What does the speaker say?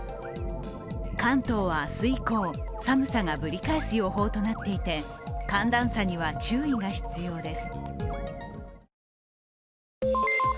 関東は明日以降、寒さがぶり返す予報となっていて寒暖差には注意が必要です。